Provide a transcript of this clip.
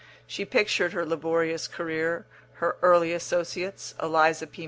She pictured her laborious career, her early associates (Eliza P.